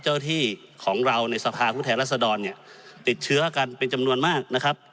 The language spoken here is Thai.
ที่ของเราในสภาผู้แทนรัศดรเนี่ยติดเชื้อกันเป็นจำนวนมากนะครับ